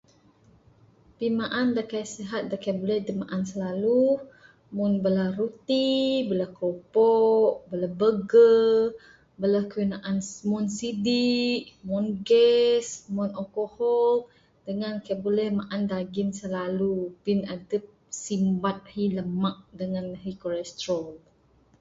Pimaan da kai sihat da kai buleh adup maan slalu, mung bala ruti, bala kropok, bala burger, bala kayuh naan mon sidik, mon gas, mon alkohol dengan kai buleh maan dagin selalu bin adup simbat ahi lamak dengan ahi kolestrol.